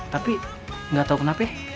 tapi gak tau kenapa